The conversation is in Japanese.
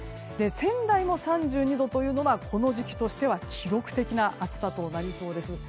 仙台も３２度というのはこの時期としては記録的な暑さとなりそうです。